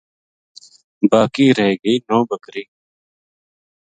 باقی رہ گئی نوبکری